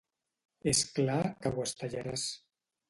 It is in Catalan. És clar que ho estellaràs.